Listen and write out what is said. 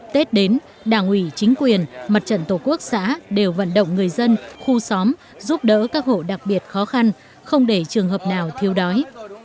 tết đến đảng ủy chính quyền mặt trận tổ quốc xã đều vận động người dân khu xóm giúp đỡ các hộ đặc biệt khó khăn không để trường hợp nào thiếu đói